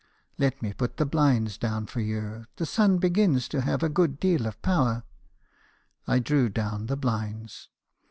" 'Let me put the blinds down for you; the sun begins to have a good deal of power.' I drew down the blinds.